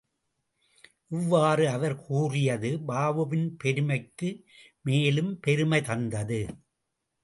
இவ்வாறு அவர் கூறியது பாபுவின் பெருமைக்குமேலும் பெருமை தந்தது.